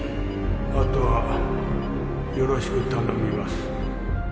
あとはよろしく頼みます・